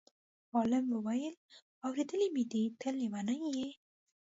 عالم وویل: اورېدلی مې دی ته لېونی یې.